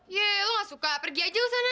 iya lu gak suka pergi aja lu sana